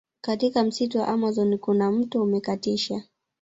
Katika msitu wa amazon kuna mto umekatisha